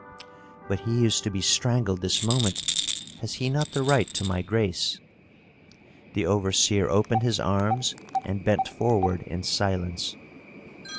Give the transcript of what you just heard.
"But he who is to be strangled this moment, has he not the right to my grace?" The overseer opened his arms, and bent forward in silence.